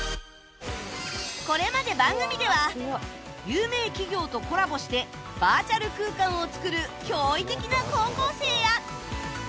これまで番組では有名企業とコラボしてバーチャル空間を作る驚異的な高校生や